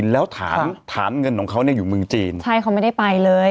แล้วฐานฐานเงินของเขาเนี่ยอยู่เมืองจีนใช่เขาไม่ได้ไปเลย